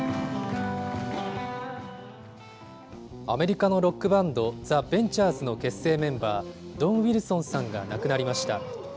アメリカのロックバンド、ザ・ベンチャーズの結成メンバー、ドン・ウィルソンさんが亡くなりました。